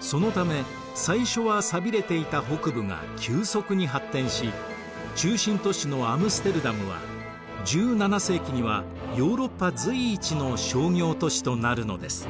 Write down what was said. そのため最初は寂れていた北部が急速に発展し中心都市のアムステルダムは１７世紀にはヨーロッパ随一の商業都市となるのです。